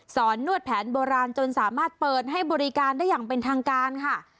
นวดแผนโบราณจนสามารถเปิดให้บริการได้อย่างเป็นทางการค่ะ